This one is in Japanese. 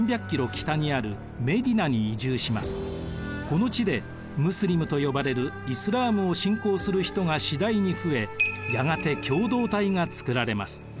この地でムスリムと呼ばれるイスラームを信仰する人が次第に増えやがて共同体が作られます。